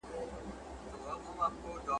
د رنګ او ښایست سیمه ده !.